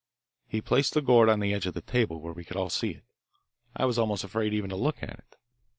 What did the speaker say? He placed the gourd on the edge of the table where we could all see it. I was almost afraid even to look at it.